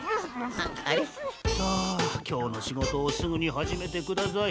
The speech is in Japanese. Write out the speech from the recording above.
今日の仕事をすぐに始めてください。